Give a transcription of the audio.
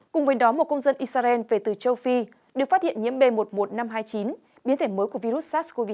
cùng với đó một công dân israel về từ châu phi được phát hiện nhiễm b một mươi một nghìn năm trăm hai mươi chín biến thể mới của virus sars cov hai